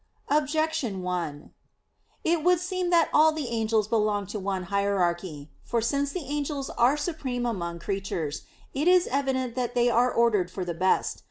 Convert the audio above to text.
Objection 1: It would seem that all the angels belong to one hierarchy. For since the angels are supreme among creatures, it is evident that they are ordered for the best.